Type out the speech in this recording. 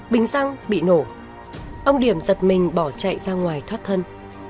bình xăng bị nổ ông điểm giật mình bỏ chạy ra ngoài thoát thân